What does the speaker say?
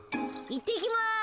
・いってきます！